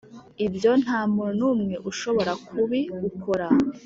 ibyo ntamuntu numwe ushobora kubiukora